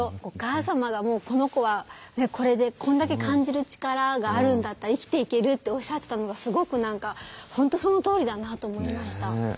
お母様が「この子はこれでこんだけ感じる力があるんだったら生きていける」っておっしゃってたのがすごく何か本当そのとおりだなと思いました。